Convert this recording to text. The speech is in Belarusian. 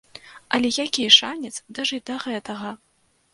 Але які шанец дажыць да гэтага!